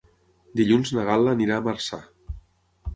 Dilluns na Gal·la anirà a Marçà.